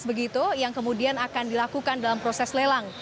begitu yang kemudian akan dilakukan dalam proses lelang